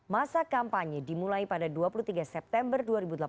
masa kampanye dimulai pada dua puluh tiga september dua ribu delapan belas